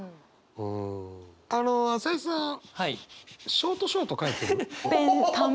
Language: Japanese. ショートショート書いてる？オホホホホ。